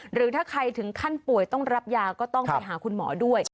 หรือถ้าใครถึงขั้นป่วยต้องรับยาก็ต้องไปหาคุณหมอด้วย